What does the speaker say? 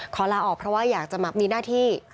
ลาออกเพราะว่าอยากจะมีหน้าที่